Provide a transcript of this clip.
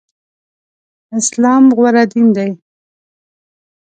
اسلام غوره دين دی.